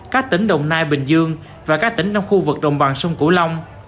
các tỉnh đồng nai bình dương và các tỉnh trong khu vực đồng bằng sông cửu long